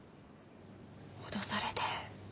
脅されてる。